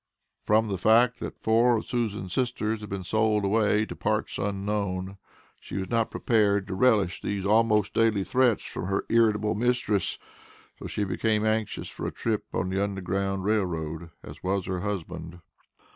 From the fact, that four of Susan's sisters had been sold away to "parts unknown," she was not prepared to relish these almost daily threats from her irritable mistress, so she became as anxious for a trip on the Underground Rail Road as was her husband.